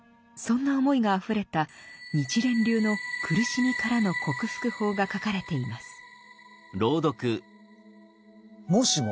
そんな思いがあふれた日蓮流の苦しみからの克服法が書かれています。